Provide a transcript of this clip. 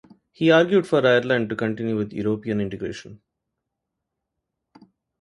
He argued for Ireland to continue with European integration.